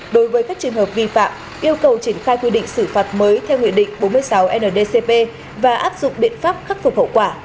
đối với các trường hợp vi phạm yêu cầu triển khai quy định xử phạt mới theo nguyện định bốn mươi sáu ndcp và áp dụng biện pháp khắc phục hậu quả